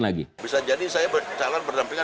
lagi bisa jadi saya calon berdampingan